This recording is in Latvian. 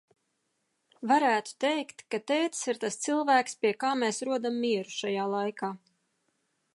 Varētu teikt, ka tētis ir tas cilvēks, pie kā mēs rodam mieru šajā laikā.